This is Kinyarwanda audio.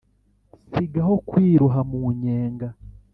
sigaho kwiroha mu nyenga